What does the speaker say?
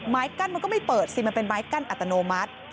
ไม้กั้นมันก็ไม่เปิดสิมันเป็นไม้กั้นอัตโนมัติ